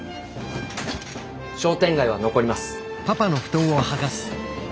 商店街は残ります。